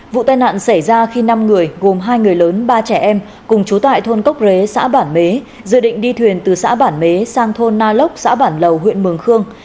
vụ tai nạn xảy ra khi năm người gồm hai người lớn ba trẻ em cùng chú tại thôn cốc rế xã bản bế dự định đi thuyền từ xã bản mế sang thôn na lốc xã bản lầu huyện mường khương